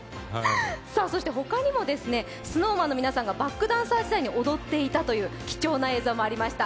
他にもＳｎｏｗＭａｎの皆さんがバックダンサー時代に踊っていたという貴重な映像もありました。